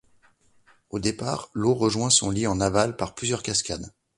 Au départ, l'eau rejoignait son lit en aval par plusieurs cascades.